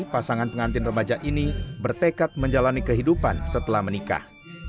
pasangan pengantin remaja ini bertekad menjalani kehidupan setelah menikah